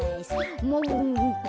もぐもぐ。